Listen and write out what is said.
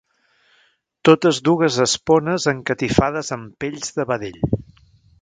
Totes dues espones encatifades amb pells de vedell.